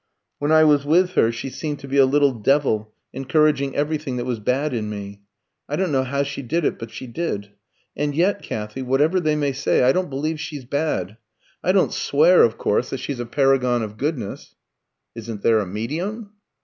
"When I was with her she seemed to be a little devil, encouraging everything that was bad in me. I don't know how she did it; but she did. And yet, Kathy, whatever they may say, I don't believe she's bad. I don't swear, of course, that she's a paragon of goodness " "Isn't there a medium?"